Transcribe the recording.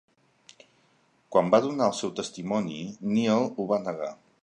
Quan va donar el seu testimoni, Neal ho va negar.